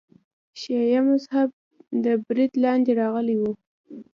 شیعه مذهب تر برید لاندې راغلی و.